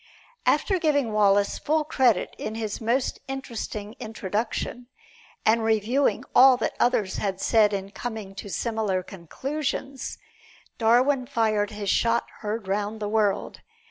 After giving Wallace full credit in his most interesting "Introduction," and reviewing all that others had said in coming to similar conclusions, Darwin fired his shot heard round the world.